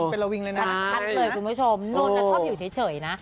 เป็นระวิงเลยนะชัดเลยคุณผู้ชมนนชอบอยู่เฉยนะ